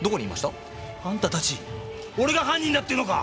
あんた達俺が犯人だって言うのか！？